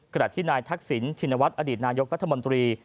ขณะที่นายทักษิณชินวัฒน์อดีตนายกรัฐมนตรี